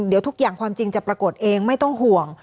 เดี๋ยวทุกอย่างความจริงจะปรากฏเองไม่ต้องห่วง